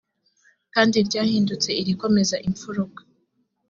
kandi ryahindutse irikomeza imfuruka